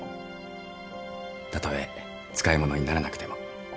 たとえ使い物にならなくても。